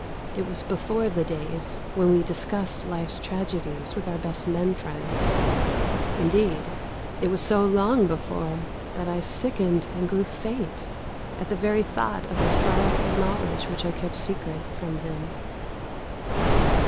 It was before the days when we discussed life's tragedies with our best men friends. Indeed, it was so long before that I sickened and grew faint at the very thought of the sorrowful knowledge which I kept secret from him.